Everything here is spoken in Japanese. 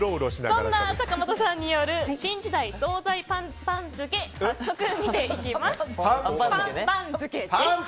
そんな坂本さんによる新時代総菜パン番付早速見ていきます。